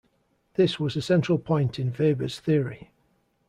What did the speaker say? This was a central point in Weber's theory.